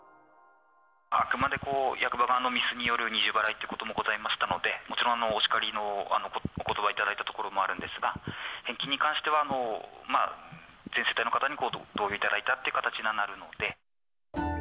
あくまで役場側のミスによる二重払いってこともございましたので、もちろん、お叱りのおことばを頂いたところもあるんですが、返金に関しては、まあ、全世帯の方に同意を頂いたっていう形になるので。